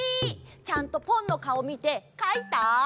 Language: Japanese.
ちゃんとポンのかおみてかいた？